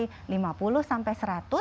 kalau sepuluh sampai seratus